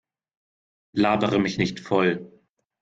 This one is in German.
Labere mich nicht voll.